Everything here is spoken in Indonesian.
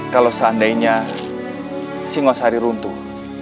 kalau seandainya singosari runtuh